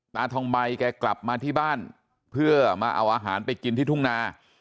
ตาทองใบแกกลับมาที่บ้านเพื่อมาเอาอาหารไปกินที่ทุ่งนา